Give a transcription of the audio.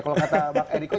kalau kata bang eriko